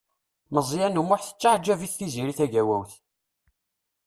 Meẓyan U Muḥ tettaɛǧab-it Tiziri Tagawawt.